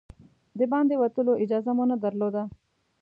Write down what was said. د باندې وتلو اجازه مو نه درلوده.